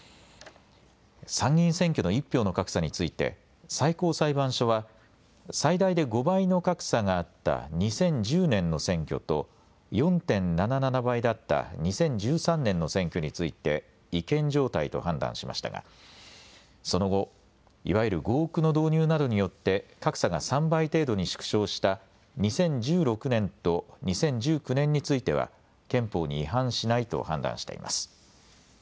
参議院選挙の１票の格差について最高裁判所は最大で５倍の格差があった２０１０年の選挙と４．７７倍だった２０１３年の選挙について違憲状態と判断しましたがその後、いわゆる合区の導入などによって格差が３倍程度に縮小した２０１６年と２０１９年については憲法に違反しないと判断しています。